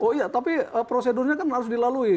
oh iya tapi prosedurnya kan harus dilalui